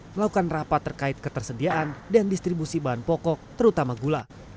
melakukan rapat terkait ketersediaan dan distribusi bahan pokok terutama gula